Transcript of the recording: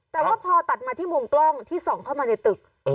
แต่ว่าพอตัดมาที่มุมกล้องที่ส่องเข้ามาในตึก